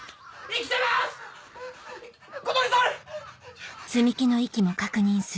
生きてます